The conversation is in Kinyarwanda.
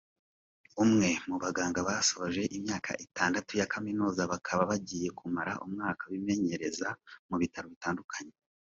umwe mu baganga basoje imyaka itandatu ya kaminuza bakaba bagiye kumara umwaka bimenyereza mu bitaro bitandukanye